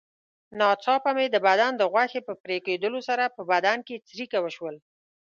ناڅاپه مې د بدن د غوښې په پرېکېدلو سره په بدن کې څړیکه وشول.